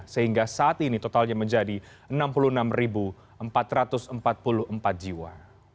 sehingga saat ini totalnya menjadi enam puluh enam empat ratus empat puluh empat jiwa